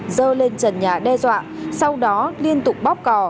dơ lên trần nhà đe dọa sau đó liên tục bóp cò